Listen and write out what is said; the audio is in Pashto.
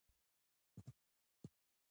که پوښتنه وي نو پوهه نه پټیږي.